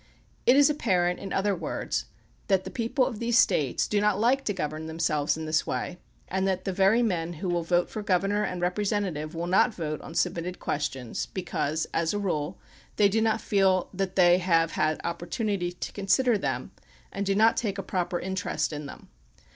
It is apparent, in other words, that the people of these States do not like to govern them selves in this way and that the very men who will vote for governor and representative will not vote on submitted questions, because, as a rule, they do not feel that they have had opportunity to consider them and do not take a proper interest in them.